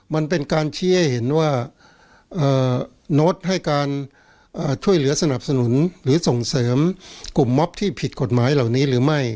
มันเป็นการชี้ให้เห็นว่าโน๊ตให้การช่วยเหลือสนับสนุนหรือส่งเสริมกลุ่มมอบที่ผิดกฎหมายเหล่านี้หรือไม่